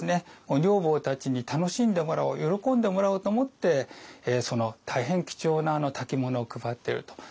女房たちに楽しんでもらおう喜んでもらおうと思ってその大変貴重な薫物を配っていると。